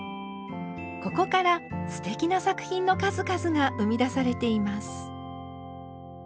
ここからすてきな作品の数々が生み出されています。